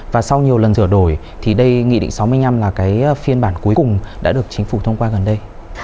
và sau nhiều lần sửa đổi thì đây nghị định sáu mươi năm là cái phiên bản cuối cùng đã được chính phủ thông qua gần đây